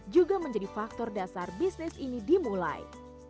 juga menjadi faktor dasar bisnis ini dimulai